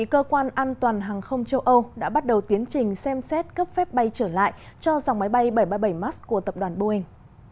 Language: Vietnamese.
cơ quan an toàn hàng không châu âu đã bắt đầu tiến trình xem xét cấp phép bay trở lại cho dòng máy bay bảy trăm ba mươi bảy max của tập đoàn boeing